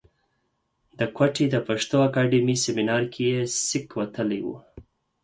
د کوټې د پښتو اکاډمۍ سیمنار کې یې سک وتلی و.